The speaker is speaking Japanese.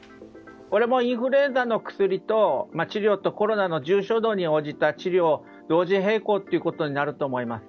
これも、インフルエンザの薬と治療とコロナの重症度に応じた治療の同時並行になると思います。